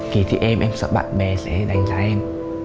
kỳ thi em em sợ bạn bè sẽ đánh giá em